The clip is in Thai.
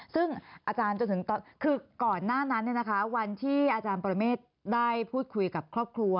ซึ่งอาจารย์จนถึงคือก่อนหน้านั้นวันที่อาจารย์ปรเมฆได้พูดคุยกับครอบครัว